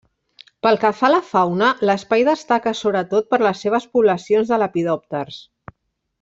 Pel que fa a la fauna, l'espai destaca sobretot per les seves poblacions de lepidòpters.